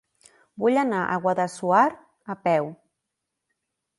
Vull anar a Guadassuar a peu.